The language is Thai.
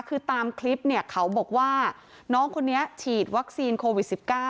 คือตามคลิปเนี่ยเขาบอกว่าน้องคนนี้ฉีดวัคซีนโควิด๑๙